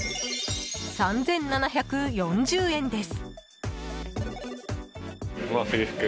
３７４０円です。